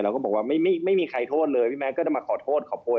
ก็บอกว่าไม่มีใครโทษเลยพี่แมทก็จะมาขอโทษขอโพย